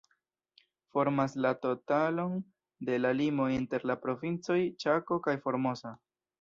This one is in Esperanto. Formas la totalon de la limo inter la Provincoj Ĉako kaj Formosa.